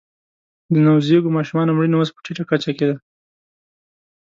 د نوزیږو ماشومانو مړینه اوس په ټیټه کچه کې ده